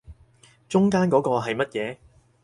中間嗰個係乜嘢